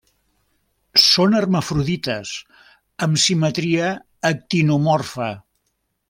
Són hermafrodites, amb simetria actinomorfa.